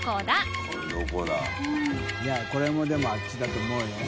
淵劵蹈漾いやこれもでもあっちだと思うよ。